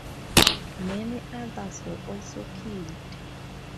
Many others were also killed.